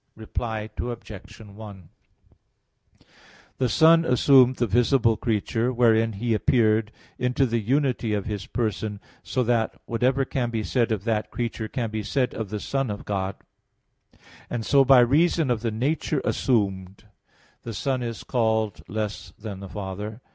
Reply Obj. 1: The Son assumed the visible creature, wherein He appeared, into the unity of His person, so that whatever can be said of that creature can be said of the Son of God; and so, by reason of the nature assumed, the Son is called less than the Father.